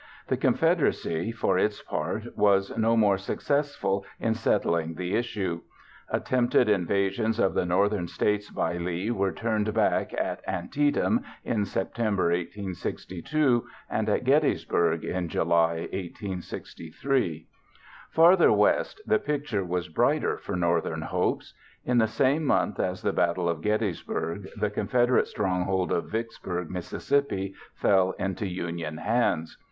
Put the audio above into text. The Confederacy, for its part, was no more successful in settling the issue. Attempted invasions of the Northern States by Lee were turned back at Antietam in September 1862 and at Gettysburg in July 1863. Farther west the picture was brighter for Northern hopes. In the same month as the Battle of Gettysburg, the Confederate stronghold of Vicksburg, Miss., fell into Union hands.